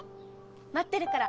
待ってるから。